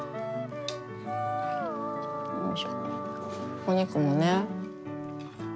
お肉もね。